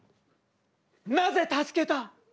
なぜ助けた？